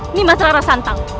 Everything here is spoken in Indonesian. ini mas rara santang